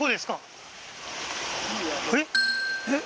えっ？